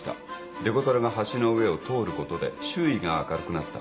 デコトラが橋の上を通ることで周囲が明るくなった。